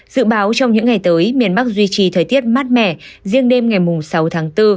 dự báo trong những ngày tới miền bắc duy trì thời tiết mát mẻ riêng đêm ngày sáu tháng bốn